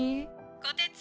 ☎こてつ？